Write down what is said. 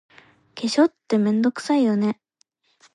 化粧って、めんどくさいよね。